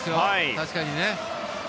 確かにね。